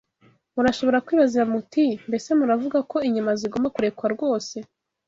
Mushobora kwibaza muti: Mbese muravuga ko inyama zigomba kurekwa rwose?